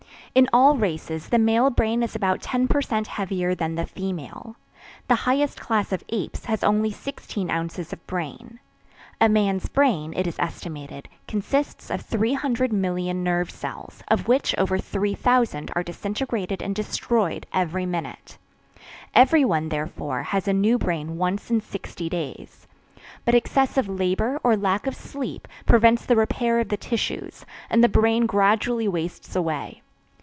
In all races the male brain is about ten per cent heavier than the female. The highest class of apes has only 16 oz. of brain. A man's brain, it is estimated, consists of 300,000,000 nerve cells, of which over 3,000 are disintegrated and destroyed every minute. Everyone, therefore, has a new brain once in sixty days. But excessive labor, or lack of sleep, prevents the repair of the tissues, and the brain gradually wastes away.